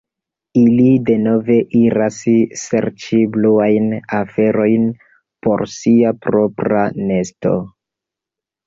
Ili denove iras serĉi bluajn aferojn por sia propra nesto.